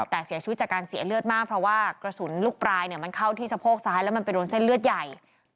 แต่เสียชีวิตจากการเสียเลือดมากเพราะว่ากระสุนลูกปลายมันเข้าที่สะโพกซ้ายแล้วมันไปโดนเส้นเลือดใหญ่